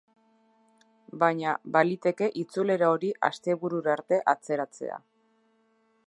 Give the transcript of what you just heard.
Baina, baliteke itzulera hori asteburura arte atzeratzea.